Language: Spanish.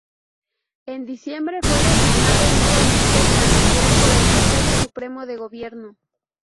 En diciembre, fue designado nuevamente Canciller por el Consejo Supremo de Gobierno.